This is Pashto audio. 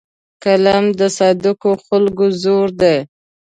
قلم د صادقو خلکو زور دی